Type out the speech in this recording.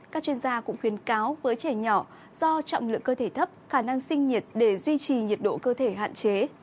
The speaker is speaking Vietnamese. các chuyên gia cũng khuyến cáo với trẻ nhỏ do trọng lượng cơ thể thấp khả năng sinh nhiệt để duy trì nhiệt độ cơ thể hạn chế